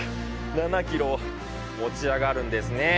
７キロ持ち上がるんですね。